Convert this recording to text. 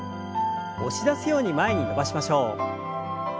押し出すように前に伸ばしましょう。